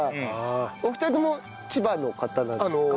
お二人とも千葉の方なんですか？